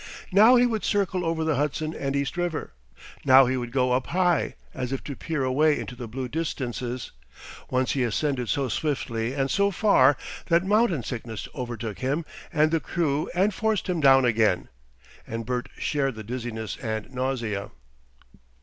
Now he would circle over the Hudson and East River; now he would go up high, as if to peer away into the blue distances; once he ascended so swiftly and so far that mountain sickness overtook him and the crew and forced him down again; and Bert shared the dizziness and nausea.